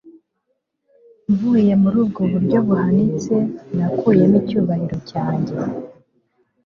mvuye muri ubwo buryo buhanitse nakuyemo icyubahiro cyanjye